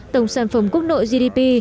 tổng sản phẩm quốc nội gdp